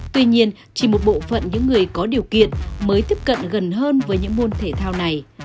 tuy nhiên chỉ một bộ phận những người có điều kiện mới tiếp cận gần hơn với những môn thể thao này